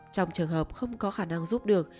trong trường hợp không có khả năng giúp được